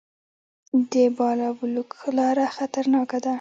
د بالابلوک لاره خطرناکه ده